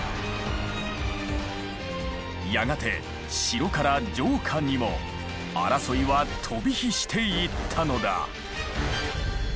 やがて城から城下にも争いは飛び火していったのだ。